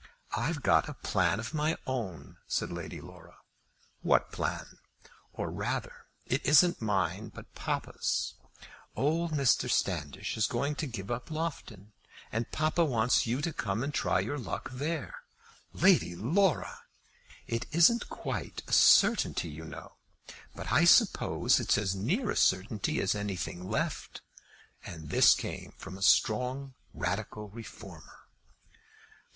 "I've got a plan of my own," said Lady Laura. "What plan?" "Or rather it isn't mine, but papa's. Old Mr. Standish is going to give up Loughton, and papa wants you to come and try your luck there." "Lady Laura!" "It isn't quite a certainty, you know, but I suppose it's as near a certainty as anything left." And this came from a strong Radical Reformer!